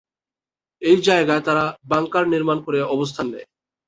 এসব জায়গায় তারা বাংকার নির্মাণ করে অবস্থান নেয়।